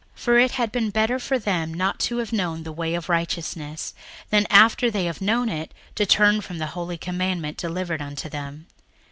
61:002:021 For it had been better for them not to have known the way of righteousness, than, after they have known it, to turn from the holy commandment delivered unto them.